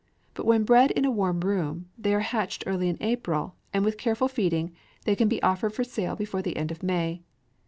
But when bred in a warm room, they are hatched early in April; and, with careful feeding, they can be offered for sale before the end of May.